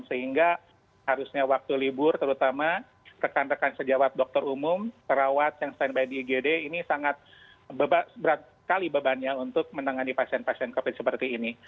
sehingga harusnya waktu libur terutama rekan rekan sejawat dokter umum perawat yang standby di igd ini sangat berat sekali bebannya untuk menangani pasien pasien covid seperti ini